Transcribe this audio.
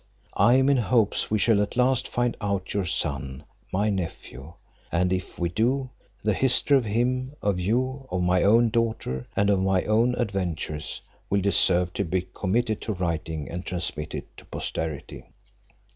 I am in hopes we shall at last find out your son my nephew; and if we do, the history of him, of you, of my own daughter, and of my own adventures, will deserve to be committed to writing, and transmitted to posterity."